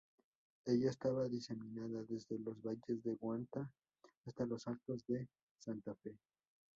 Ella estaba diseminada desde los valles de Guanta hasta los Altos de Santa Fe.